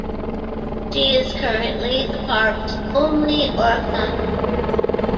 She is currently the park's only orca.